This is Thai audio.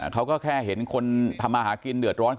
เขาก็แค่เห็นคนทำมาหากินเดือดร้อน